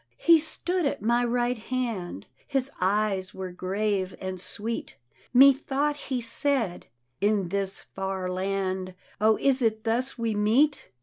He stood at my right hand, His eyes were grave and sweet Methought he said, " In this far land, O, is it thus we meet?